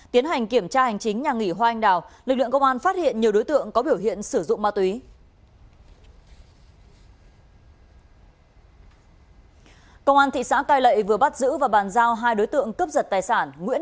tiến hành kiểm tra hành chính nhà nghỉ hoa anh đào lực lượng công an phát hiện nhiều đối tượng có biểu hiện sử dụng ma túy